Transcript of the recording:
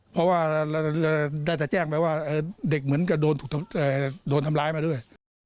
เพราะว่าเราได้แต่แจ้งไปว่าเด็กเหมือนกับโดนทำร้ายมาด้วย